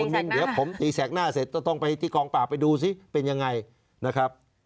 มินเดี๋ยวผมตีแสกหน้าเสร็จก็ต้องไปที่กองปราบไปดูซิเป็นยังไงนะครับ